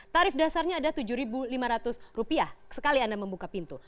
tarif dasarnya ada rp tujuh lima ratus sekali anda membuka pintu